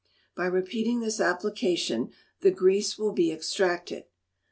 By repeating this application, the grease will be extracted.